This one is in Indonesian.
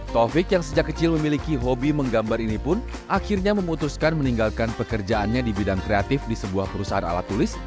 taufik yang sejak kecil memiliki hobi menggambar ini pun akhirnya memutuskan meninggalkan pekerjaannya di bidang kreatif di sebuah perusahaan alat tulis